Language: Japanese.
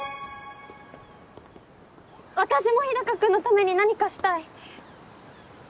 私も日高君のために何かしたい。